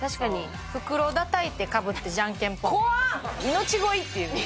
命乞いっていう。